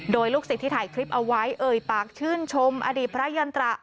โดยลูกศิษย์ที่ถ่ายคลิปเอาไว้เอ่ยปากชื่นชมอดีตพระยันตระ